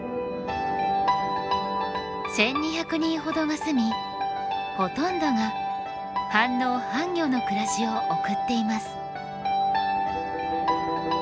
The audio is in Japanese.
１，２００人ほどが住みほとんどが半農半漁の暮らしを送っています。